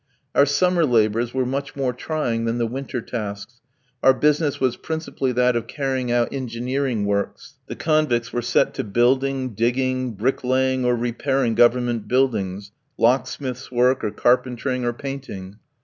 Our summer labours were much more trying than the winter tasks; our business was principally that of carrying out engineering works. The convicts were set to building, digging, bricklaying, or repairing Government buildings, locksmith's work, or carpentering, or painting.